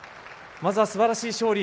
まずはすばらしい勝利。